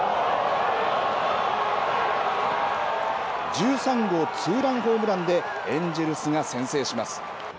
１３号ツーランホームランでエンジェルスが先制します。